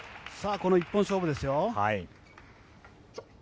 この１本勝負ですよ。